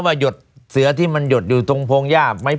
มันจะเป็นอันนี้น่ะฮะได้พิคับนะฮะ